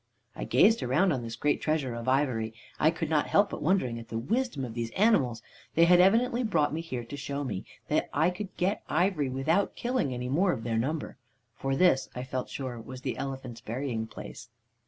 I gazed around on this great treasure of ivory, and I could not help wondering at the wisdom of these animals. They had evidently brought me here to show me that I could get ivory without killing any more of their number. For this, I felt sure, was the elephants' burying place.